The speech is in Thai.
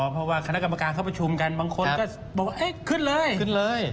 เพราะว่าคณะกรรมการเขาประชุมกันบางคนก็บอกว่าขึ้นเลยขึ้นเลย